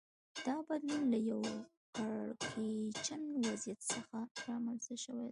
دا بدلون له یوه کړکېچن وضعیت څخه رامنځته شوی دی